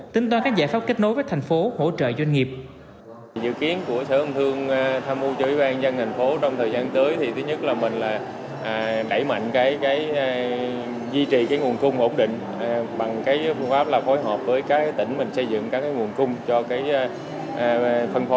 tính toán các giải pháp kết nối với thành phố hỗ trợ doanh nghiệp